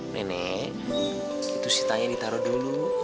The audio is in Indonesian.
nenek itu sita yang ditaruh dulu